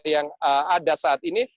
yang ada saat ini